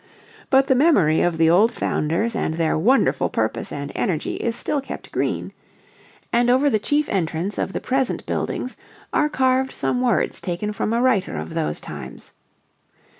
But the memory of the old founders and their wonderful purpose and energy is still kept green, and over the chief entrance of the present buildings are carved some words taken from a writer of those times.